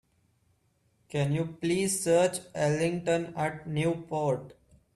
Can you please search Ellington at Newport?